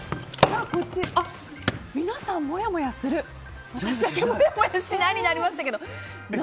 皆さん、もやもやする私だけもやもやしないになりました。